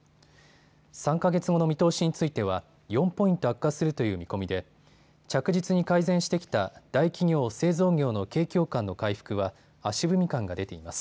３か月後の見通しについては４ポイント悪化するという見込みで着実に改善してきた大企業製造業の景況感の回復は足踏み感が出ています。